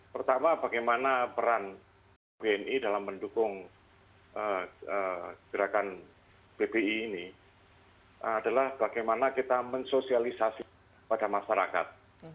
pertama bagaimana peran wni dalam mendukung gerakan bbi ini adalah bagaimana kita mensosialisasi pada masyarakat